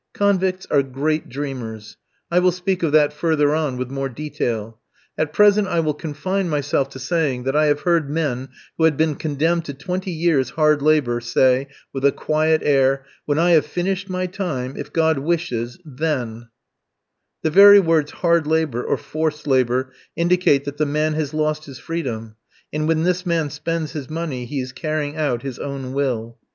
Convicts are great dreamers; I will speak of that further on with more detail. At present I will confine myself to saying that I have heard men, who had been condemned to twenty years' hard labour, say, with a quiet air, "when I have finished my time, if God wishes, then " The very words hard labour, or forced labour, indicate that the man has lost his freedom; and when this man spends his money he is carrying out his own will.